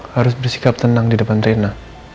harus bersikap tenang di depan rena